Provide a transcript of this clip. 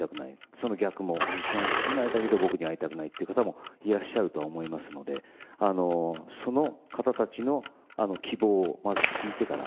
その逆も藤島氏には会いたいけど僕に会いたくないという方もいらっしゃるとは思いますのでその方たちの希望をまず聞いてから。